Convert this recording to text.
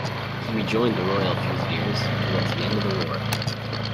He rejoined the Royal Fusiliers towards the end of the war.